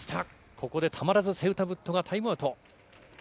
ここでたまらずセウタブットがタイムアウト。